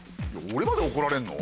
俺まで怒られんの？